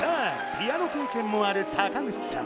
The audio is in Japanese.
ピアノ経験もある坂口さん